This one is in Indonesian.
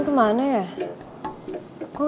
kayak suara wulan